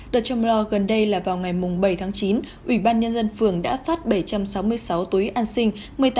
đợt châm lo gần đây là vào ngày bảy chín ủy ban nhân dân phường đã phát bảy trăm sáu mươi sáu túi ăn xinh